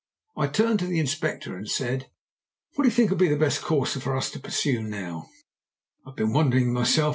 I turned to the Inspector and said "What do you think will be the best course for us to pursue now?" "I have been wondering myself.